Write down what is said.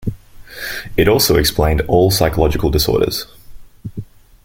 It also explained all psychological disorders.